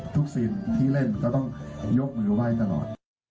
ทุกซีนที่เล่นก็ต้องยกมือไหว้ตลอด